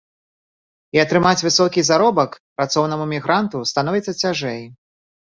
І атрымаць высокі заробак працоўнаму мігранту становіцца цяжэй.